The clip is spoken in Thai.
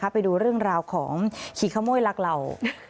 ไปดูเรื่องราวของขี่ขโมยหลักเหล่า